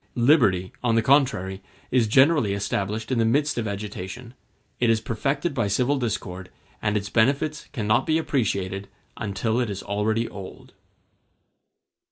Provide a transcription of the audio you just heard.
Liberty, on the contrary, is generally established in the midst of agitation, it is perfected by civil discord, and its benefits cannot be appreciated until it is already old.